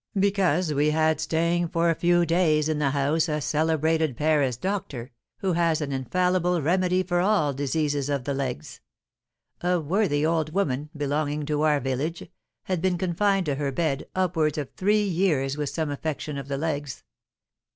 "Because we had staying for a few days in the house a celebrated Paris doctor, who has an infallible remedy for all diseases of the legs. A worthy old woman, belonging to our village, had been confined to her bed upwards of three years with some affection of the legs.